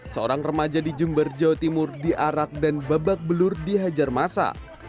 seorang remaja di jember jawa timur diarak dan babak belur dihajar masa